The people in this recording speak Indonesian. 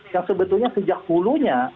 yang sebetulnya sejak pulunya